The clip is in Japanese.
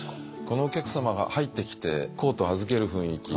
このお客様が入ってきてコートを預ける雰囲気